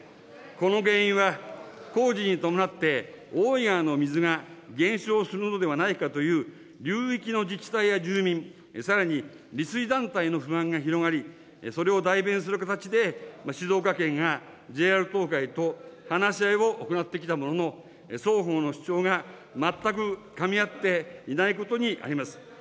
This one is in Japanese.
この原因は、工事に伴って、大井川の水が減少するのではないかという流域の自治体や住民、さらに利水団体の不安が広がり、それを代弁する形で静岡県がＪＲ東海と話し合いを行ってきたものの、双方の主張が全くかみ合っていないことにあります。